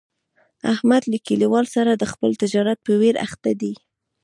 احمد له کلیوالو سره د خپل تجارت په ویر اخته دی.